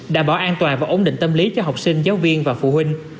đảm bảo an toàn và ổn định tâm lý cho học sinh giáo viên và phụ huynh